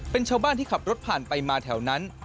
เป็นชาวบ้านที่ขับรถผ่านไปมาแถวนั้น